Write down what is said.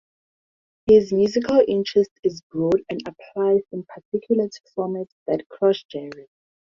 His musical interest is broad and applies in particular to formats that cross genres.